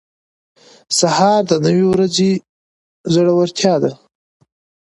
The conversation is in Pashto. سهار د نوې ورځې زړورتیا ده.